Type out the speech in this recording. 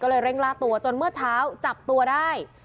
ก็เลยเร่งล่าตัวจนเมื่อเช้าจับตัวได้